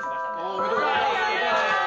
おめでとうございます！